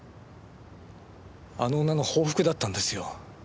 あの女の報復だったんですよ。